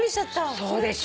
そうでしょ？